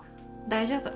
大丈夫。